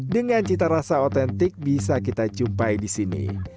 dengan cita rasa otentik bisa kita jumpai di sini